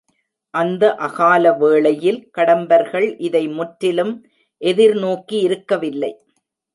அந்த அகால வேளையில் கடம்பர்கள் இதை முற்றிலும் எதிர்நோக்கி இருக்கவில்லை.